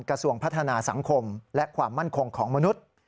กระทรวงพัฒนาสังคมและความมั่นคงของมนุษย์